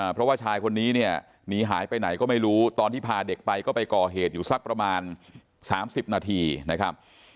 เพราะว่าชายคนนี้เนี่ยหนีหายไปไหนก็ไม่รู้ตอนที่พาเด็กไปก็ไปก่อเหตุอยู่สักประมาณ๓๐นาทีนะครับ